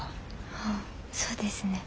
ああそうですね。